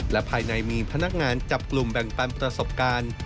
และภายในมีพนักงานจับกลุ่มแบ่งปันประสบการณ์